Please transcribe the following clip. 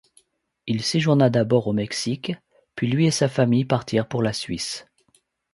Il séjourna d'abord au Mexique, puis lui et sa famille partirent pour la Suisse.